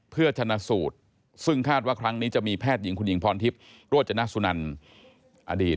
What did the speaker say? เพื่อชนะสูตรซึ่งคาดว่าครั้งนี้จะมีแพทย์หญิงคุณหญิงพรทิพย์โรจนสุนันอดีต